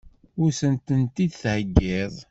Ad sen-tent-id-theggiḍ?